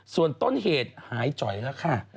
ส่วนต้นเหตุหายจ๋อยแล้วค่ะ